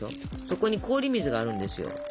そこに氷水があるんですよ。